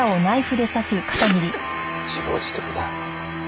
自業自得だ。